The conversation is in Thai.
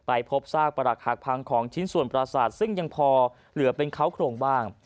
พบซากประหลักหักพังของชิ้นส่วนประสาทซึ่งยังพอเหลือเป็นเขาโครงบ้าง